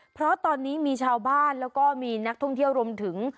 เพราะตอนนี้มีชาวบ้านแล้วก็มีนักท่องเที่ยวรวมถึง